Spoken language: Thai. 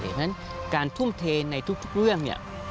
เพราะฉะนั้นการทุ่มเทในทุกเรื่องเนี่ย